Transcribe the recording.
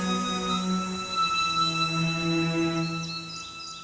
sampai jumpa lagi